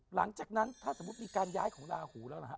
หลังจากนั้นถ้าสมมุติมีการย้ายของลาหูแล้วล่ะฮะ